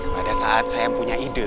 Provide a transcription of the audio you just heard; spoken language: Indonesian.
pada saat saya punya ide